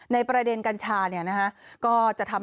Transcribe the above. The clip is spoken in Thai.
ในประเด็นกัญชาเนี่ยนะคะก็จะทำ